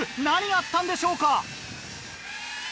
何があったんでしょうか？